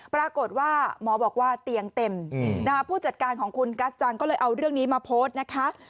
ปรากฏว่าหมอบอกว่าเตียงเต็มผู้จัดการของคุณกัจจังก็เลยเอาเรื่องนี้มาโพสต์นะคะ